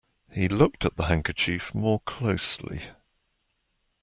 He looked at the handkerchief more closely